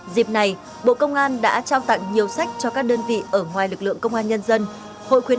dịp này bộ công an đã trao tặng nhiều sách cho các đơn vị ở ngoài lực lượng công an nhân dân